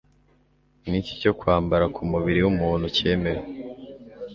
Niki cyo kwambara ku mubiri w'umuntu cyemewe?